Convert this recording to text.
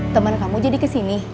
temen kamu jadi kesini